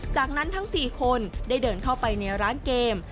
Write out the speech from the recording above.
จากนั้นทั้ง๔คนได้เดินเข้าไปในร้านเกม